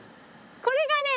これがね